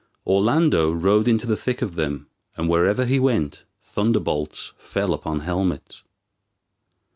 Orlando rode into the thick of them, and wherever he went thunderbolts fell upon helmets.